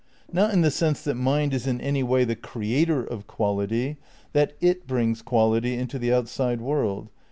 Not in the sense that con mind is in any way the creator of quality, that it brings quality into the outside world.